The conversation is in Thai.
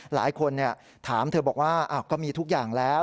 หลายคนถามเธอบอกว่าก็มีทุกอย่างแล้ว